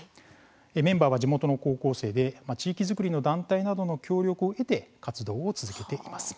メンバーは地元の高校生で地域作りの団体などの協力を得て活動を続けています。